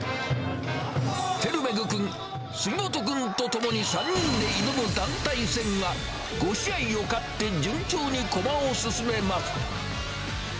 ツェルメグ君、杉本君と共に３人で挑む団体戦は、５試合を勝って順調に駒を進めます。